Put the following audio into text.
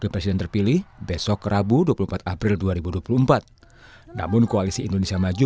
tetapi begini bahwa sebagai